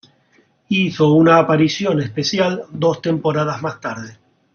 Hizo una aparición especial dos temporadas más tarde.